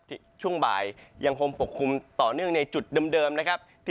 ช่วงบ่ายยังคงปกคลุมต่อเนื่องในจุดเดิมนะครับ